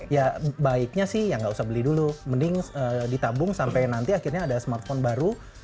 ya baiknya sih ya nggak usah beli dulu mending ditabung sampai nanti akhirnya ada smartphone baru